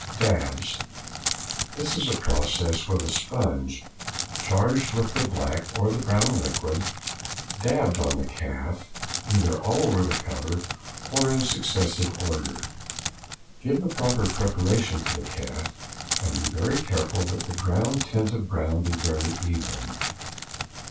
Dabs.—This is a process with a sponge, charged with the black or the brown liquid, dabbed on the calf either all over the cover or in successive order. Give the proper preparation to the calf, and be very careful that the ground tint of brown be very even.